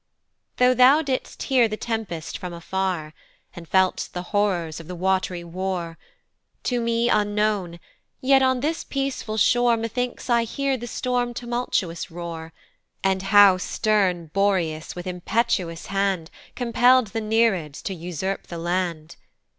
THOUGH thou did'st hear the tempest from afar, And felt'st the horrors of the wat'ry war, To me unknown, yet on this peaceful shore Methinks I hear the storm tumultuous roar, And how stern Boreas with impetuous hand Compell'd the Nereids to usurp the land.